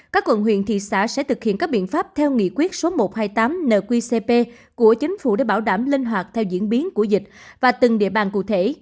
các quận huyện thị xã sẽ thực hiện các biện pháp theo nghị quyết số một trăm hai mươi tám nqcp của chính phủ để bảo đảm linh hoạt theo diễn biến của dịch và từng địa bàn cụ thể